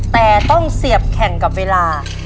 แต่ต้องเสียบแข่งกับเวลา